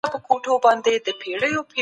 د پېغمبر خبرې د وحې په اساس وې.